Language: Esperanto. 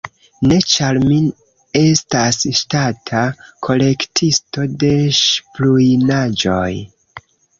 Ne, ĉar mi estas ŝtata kolektisto de ŝipruinaĵoj.